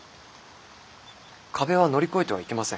壁は乗り越えてはいけません。